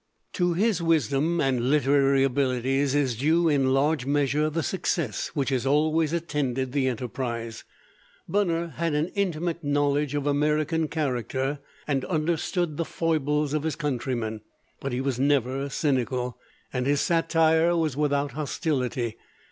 To his wisdom and literary abilities is due in large measure the success which has always attended the enterprise. Bunner had an intimate knowledge of American character and understood the foibles of his countrymen; but he was never cynical, and his satire was without hostility.